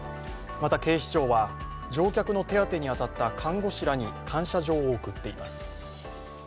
また警視庁は乗客の手当てに当たった看護師らに感謝状を贈っています。